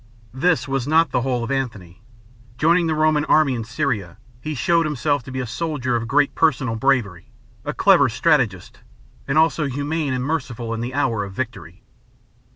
This was not the whole of Antony. Joining the Roman army in Syria, he showed himself to be a soldier of great personal bravery, a clever strategist, and also humane and merciful in the hour of victory.